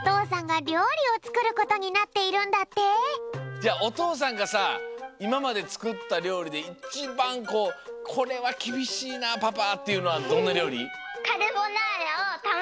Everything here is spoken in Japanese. じゃあおとうさんがさいままでつくったりょうりでいちばんこうこれはきびしいなパパっていうのはどんなりょうり？